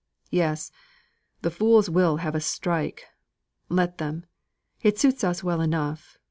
"Yes; the fools will have a strike. Let them. It suits us well enough.